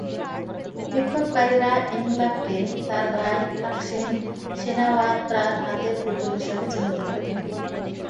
বিক্ষোভকারীরা ইংলাককে তাঁর ভাই থাকসিন সিনাওয়াত্রার হাতের পুতুল হিসেবে চিহ্নিত করে থাকেন।